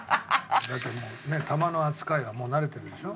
だってもうね球の扱いは慣れてるでしょ？